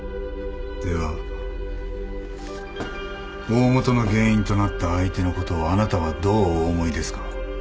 では大本の原因となった相手のことをあなたはどうお思いですか？